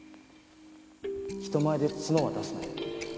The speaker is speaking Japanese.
人前で角は出すなよ。